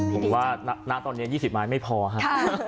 ผมว่าณตอนนี้๒๐ไม้ไม่พอครับ